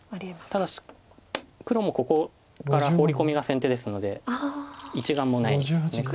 ただし黒もここからホウリ込みが先手ですので一眼もないです黒。